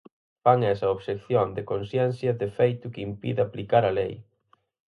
Fan esa obxección de conciencia de feito que impide aplicar a lei.